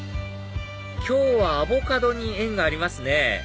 今日はアボカドに縁がありますね